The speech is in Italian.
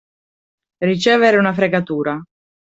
Ricevere una fregatura.